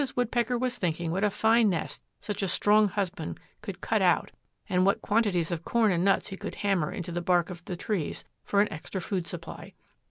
Woodpecker was thinking what a fine nest such a strong husband could cut out and what quantities of corn and nuts he could hammer into the bark of the trees for an extra food supply.